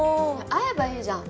会えばいいじゃん。